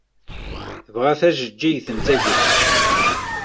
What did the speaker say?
Tebɣa tajeǧǧigt n tagut.